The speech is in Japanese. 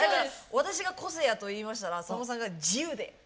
私が「個性や」と言いましたらさんまさんが「自由で」とこう。